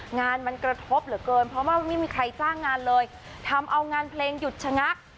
งานมันกระทบเหลือเกินเพราะว่าไม่มีใครจ้างงานเลยทำเอางานเพลงหยุดชะงัก